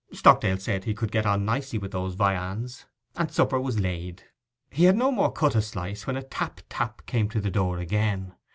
Stockdale said he could get on nicely with those viands, and supper was laid. He had no more than cut a slice when tap tap came to the door again.